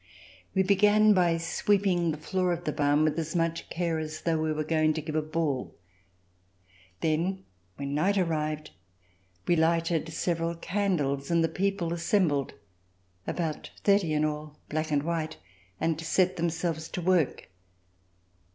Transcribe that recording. We began by sweeping the floor of the barn with as much care as though we were going to give a ball. Then when night arrived, we lighted several candles and the people assembled, about thirty in all, black and white, and set themselves to work.